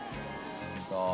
さあ。